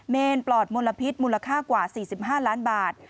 ปลอดมลพิษมูลค่ากว่า๔๕ล้านบาท